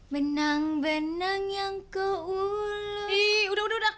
benang benang yang ke ulu